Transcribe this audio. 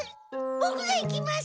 ボクが行きます。